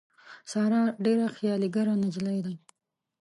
ساره ډېره خیالي ګره نجیلۍ ده.